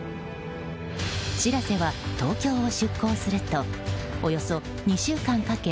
「しらせ」は東京を出港するとおよそ２週間かけ